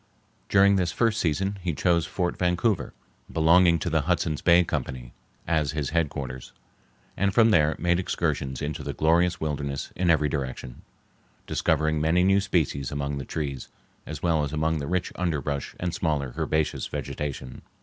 During this first season he chose Fort Vancouver, belonging to the Hudson's Bay Company, as his headquarters, and from there made excursions into the glorious wilderness in every direction, discovering many new species among the trees as well as among the rich underbrush and smaller herbaceous vegetation.